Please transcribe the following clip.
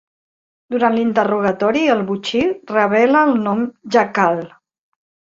Durant l'interrogatori, el botxí revela el nom "Jackal".